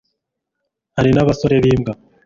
hari na basore bimbwa